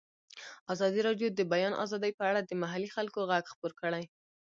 ازادي راډیو د د بیان آزادي په اړه د محلي خلکو غږ خپور کړی.